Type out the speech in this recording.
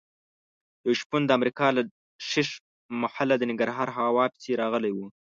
یو شپون د امریکا له ښیښ محله د ننګرهار هوا پسې راغلی و.